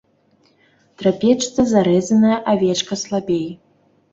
Трапечацца зарэзаная авечка слабей.